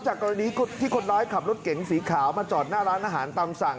กรณีที่คนร้ายขับรถเก๋งสีขาวมาจอดหน้าร้านอาหารตามสั่ง